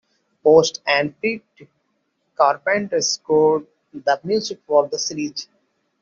Post and Pete Carpenter scored the music for the series.